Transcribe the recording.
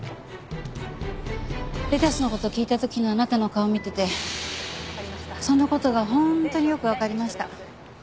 レタスの事を聞いた時のあなたの顔を見ててその事が本当によくわかりました。